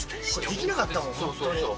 できなかったもん、本当に。